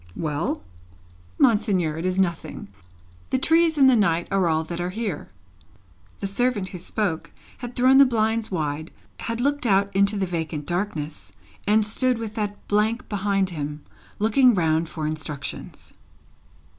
"Well?" "Monseigneur, it is nothing. The trees and the night are all that are here." The servant who spoke, had thrown the blinds wide, had looked out into the vacant darkness, and stood with that blank behind him, looking round for instructions.